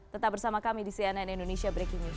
tetap bersama kami di cnn indonesia breaking news